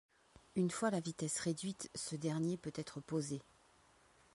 Une fois la vitesse réduite ce dernier peut être posé.